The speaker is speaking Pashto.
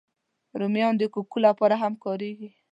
رومیان د کوکو لپاره هم کارېږي